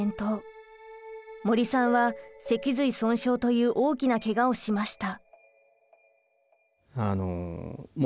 森さんは脊髄損傷という大きなけがをしました。